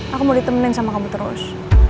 aku mau ditemenin sama kamu terus